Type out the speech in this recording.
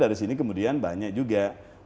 dari sini kemudian banyak juga